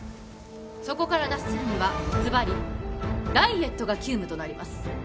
そこから脱するにはズバリダイエットが急務となります